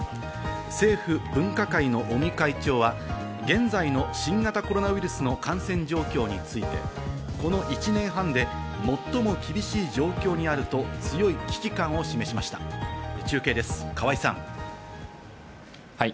政府分科会の尾身会長は現在の新型コロナウイルスの感染状況について、この１年半で最も厳しい状況にあると、強い危機感を示しました、はい。